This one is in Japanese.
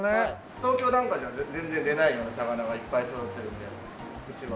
東京なんかじゃ全然出ないような魚がいっぱいそろってるんでうちは。